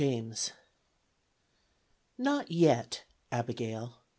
JAMES NOT yet, Abigail!